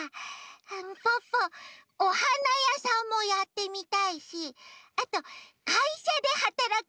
ポッポおはなやさんもやってみたいしあとかいしゃではたらく